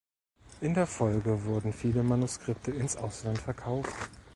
In der Folge wurden viele Manuskripte ins Ausland verkauft.